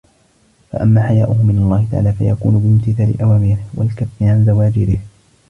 فَأَمَّا حَيَاؤُهُ مِنْ اللَّهِ تَعَالَى فَيَكُونُ بِامْتِثَالِ أَوَامِرِهِ وَالْكَفِّ عَنْ زَوَاجِرِهِ